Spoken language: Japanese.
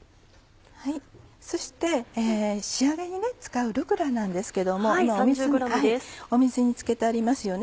そして仕上げに使うルッコラなんですけど今水につけてありますよね